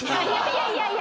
いやいや！